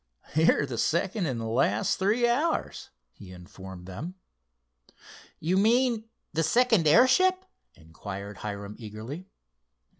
"You're the second in the last three hours," he informed them. "You mean the second airship?" inquired Hiram, eagerly.